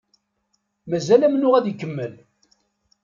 Mazal amennuɣ ad ikemmel.